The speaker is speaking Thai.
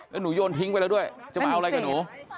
แล้วหนูโยนทิ้งไปแล้วด้วยจะมาเอาอะไรกับหนู